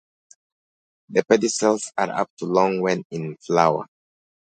The pedicels are up to long when in flower.